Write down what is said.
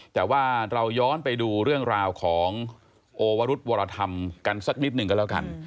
แต่ว่าเราย้อนไปดูเรื่องราวของโอวรุธวรธรรมกันสักนิดหนึ่งก็แล้วกัน